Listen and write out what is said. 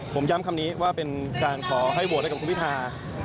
ผมย้ำคำนี้ว่าเป็นการขอให้โหวตให้กับคุณพิธา